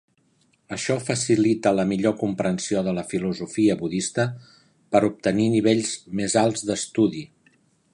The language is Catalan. Això facilita la millor comprensió de la filosofia budista per obtenir nivells més alts d'estudi.